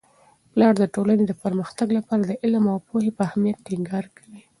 پلار د ټولنې د پرمختګ لپاره د علم او پوهې په اهمیت ټینګار کوي.